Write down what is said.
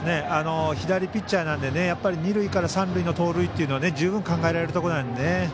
左ピッチャーなので二塁から三塁の盗塁というのは十分、考えられるところなので。